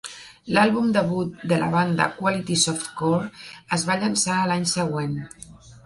L'àlbum debut de la banda, "Quality Soft Core", es va llançar l'any següent.